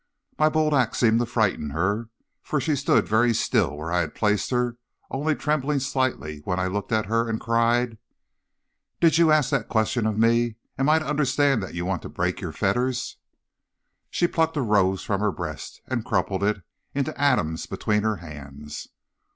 "My bold act seemed to frighten her, for she stood very still where I had placed her, only trembling slightly when I looked at her and cried: "'Did you ask that question of me? Am I to understand you want to break your fetters?' "She plucked a rose from her breast and crumpled it to atoms between her hands.